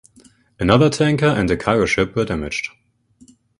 Another tanker and a cargo ship were damaged.